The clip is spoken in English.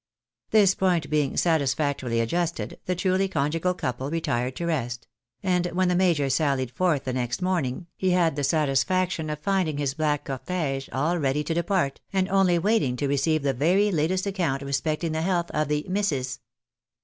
This point being satisfactorily adjusted, the truly conjugal couple retired to rest ; and when the major salKed forth the next morning, he had the satisfaction of finding his black cortege all ready to depart, and only waiting to receive the very latest account respecting the health of the " missis."